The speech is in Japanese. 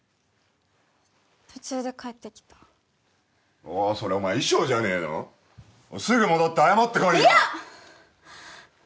途中で帰ってきたおいそれお前衣装じゃねえのおいすぐ戻って謝ってこいよ嫌！